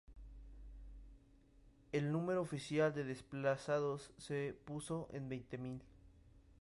El número oficial de desplazados se puso en veinte mil.